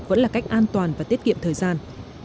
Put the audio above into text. vẫn là cách an toàn và tiết kiệm thời gian